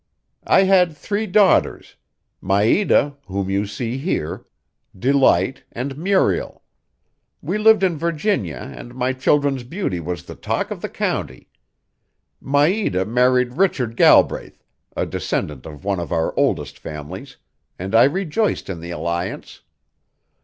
I had three daughters: Maida, whom you see here, Delight and Muriel. We lived in Virginia and my children's beauty was the talk of the county. Maida married Richard Galbraith, a descendant of one of our oldest families, and I rejoiced in the alliance.